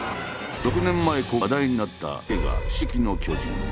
６年前公開され話題になった映画「進撃の巨人」。